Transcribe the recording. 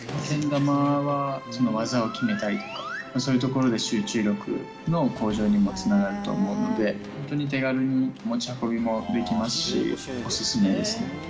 けん玉は技を決めたりとか、そういうところで集中力の向上にもつながると思うので、本当に手軽に持ち運びもできますし、お勧めですね。